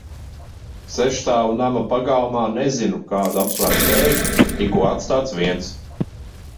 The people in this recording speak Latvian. Sešstāvu nama pagalmā, nezinu, kādu apsvērumu dēļ, tiku atstāts viens.